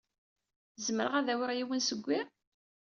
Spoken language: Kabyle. Zemreɣ ad awiɣ yiwen seg wi?